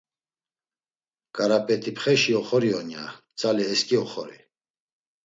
Ǩarap̌et̆ipxeşi oxori on ya, tzale eski oxori…